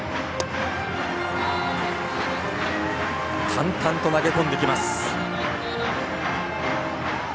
淡々と投げ込んできます。